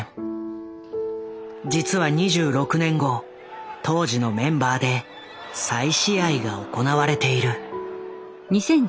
実は２６年後当時のメンバーで再試合が行われている。